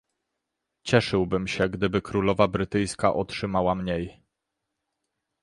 Cieszyłbym się, gdyby królowa brytyjska otrzymała mniej